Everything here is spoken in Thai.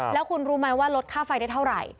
แล้วคุณรู้ไหมว่าลดค่าไฟได้เท่าไหร่